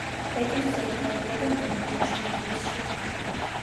პეტინსონი დაიბადა ლონდონში, ინგლისში.